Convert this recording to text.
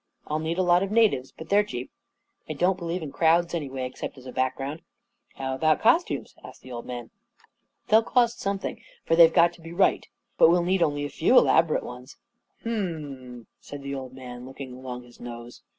I'll need a lot of natives, but they are cheap. I don't believe in crowds anyway, excep t as a background." " How about costumes? " asked the old man. "They'll cost something for they've got to he right. But we'll need only a few elaborate ones." 44 Hum m m," said the old man, looking along his nose.